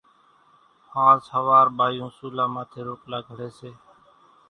هانز ۿوار ٻايوُن سُولا ماٿيَ روٽلا گھڙيَ سي۔